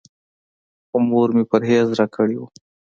خو مور مې پرهېز راکړی و.